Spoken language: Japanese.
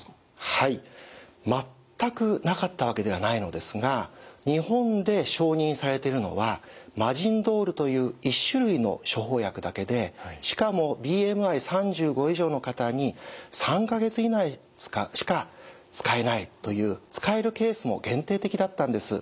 はい全くなかったわけではないのですが日本で承認されているのはマジンドールという１種類の処方薬だけでしかもＢＭＩ３５以上の方に３か月以内しか使えないという使えるケースも限定的だったんです。